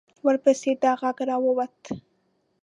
ورپسې دا غږ را ووت.